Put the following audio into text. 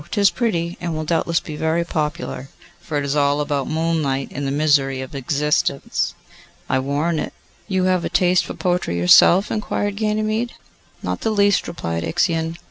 'Tis pretty, and will doubtless be very popular, for it is all about moonlight and the misery of existence.' 'I warrant it.' 'You have a taste for poetry yourself?' inquired Ganymede. 'Not the least,' replied Ixion.